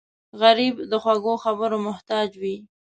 غریب د خوږو خبرو محتاج وي